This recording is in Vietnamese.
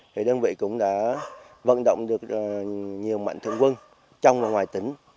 thì đơn vị cũng đã vận động được nhiều mạnh thượng quân trong và ngoài tỉnh